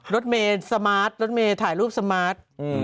รถเมย์สมาร์ทรถเมย์ถ่ายรูปสมาร์ท